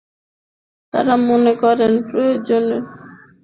তাঁরা মনে করেন, প্রযোজক রিতেশ সিধওয়ানির জন্য এটা খুবই যন্ত্রণাদায়ক একটি সিদ্ধান্ত।